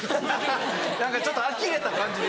何かちょっとあきれた感じ。